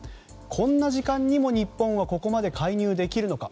こんな時間にも日本はここまで介入できるのか。